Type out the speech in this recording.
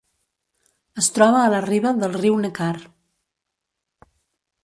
Es troba a la riba del riu Neckar.